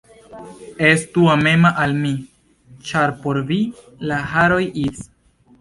Estu amema al mi, ĉar por vi la haroj iris.